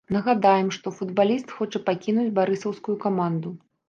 Нагадаем, што футбаліст хоча пакінуць барысаўскую каманду.